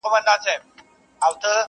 دا کيسه غميزه انځوروي,